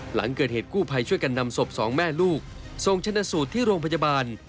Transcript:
หลังเกิดเหตุกู้ภัยช่วยกันนำศพสองแม่ลูกส่งชนะสูตรที่โรงพยาบาล